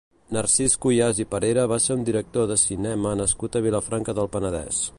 Narcís Cuyàs i Parera va ser un director de cinema nascut a Vilafranca del Penedès.